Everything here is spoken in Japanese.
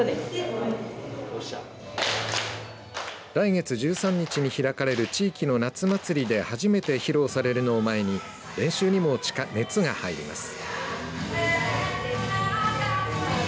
来月１３日に開かれる地域の夏祭りで初めて披露されるのを前に練習にも熱が入ります。